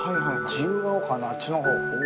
自由が丘のあっちのほう。